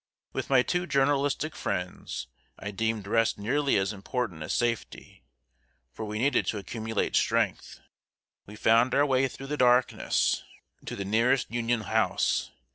With my two journalistic friends, I deemed rest nearly as important as safety, for we needed to accumulate strength. We found our way through the darkness to the nearest Union house.